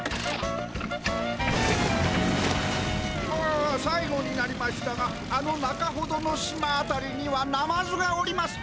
あさいごになりましたがあの中ほどの島あたりにはナマズがおります。